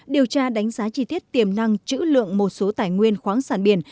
điều tra đánh giá chi tiết tiềm năng chữ lượng một số tài nguyên khoáng sản biển